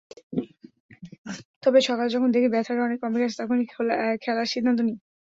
তবে সকালে যখন দেখি ব্যথাটা অনেক কমে গেছে তখনই খেলার সিদ্ধান্ত নিই।